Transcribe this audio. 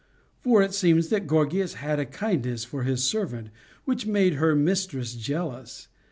For it seems that Gorgias had a kindness for his servant, which made her mistress jealous.